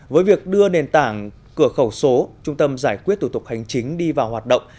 với việc đưa nền tảng cửa khẩu số trung tâm giải quyết thủ tục hành chính đi vào hoạt động